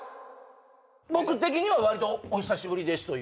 僕的にはわりとお久しぶりですという。